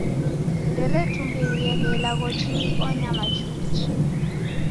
Nderetumbulieghe ilagho jingi onyama chuku chi.